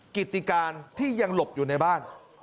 กิจการที่ยังหลบอยู่ในบ้าน